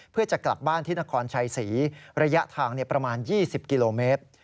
เพื่อจะกลับบ้านที่นครชัยศรีระยะทางประมาณ๒๐กิโลเมตร